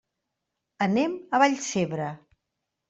Anem a Vallcebre.